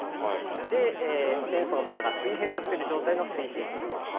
でチェーンソーのバーが水平になってる状態の水平切り。